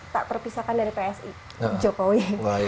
tak terpisahkan dari psi jokowi